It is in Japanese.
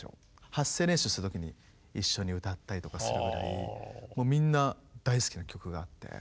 発声練習した時に一緒に歌ったりとかするぐらいもうみんな大好きな曲があって。